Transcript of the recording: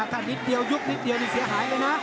ถ้านิดเดียวยุบนิดเดียวนี่เสียหายเลยนะ